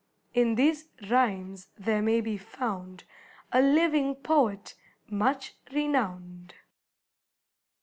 In these rhymes there may be found A living poet much renowned.